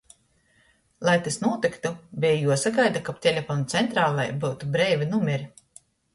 Lai tys nūtyktu, beja juosagaida, kab teleponu centralē byutu breivi numeri.